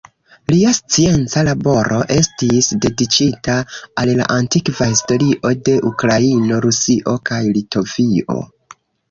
Lia scienca laboro estis dediĉita al la antikva historio de Ukraino, Rusio kaj Litovio.